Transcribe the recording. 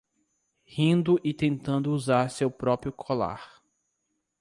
Rindo e tentando usar seu próprio colar